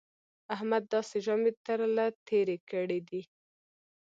احمد داسې ژامې تر له تېرې کړې دي